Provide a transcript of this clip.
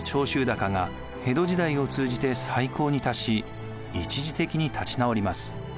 高が江戸時代を通じて最高に達し一時的に立ち直ります。